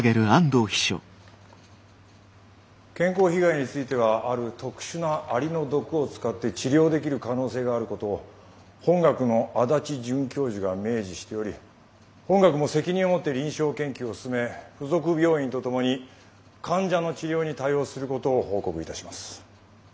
健康被害についてはある特殊なアリの毒を使って治療できる可能性があることを本学の足立准教授が明示しており本学も責任を持って臨床研究を進め附属病院と共に患者の治療に対応することを報告いたします。